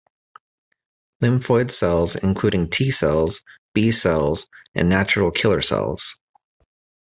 Lymphoid cells include T cells, B cells, and natural killer cells.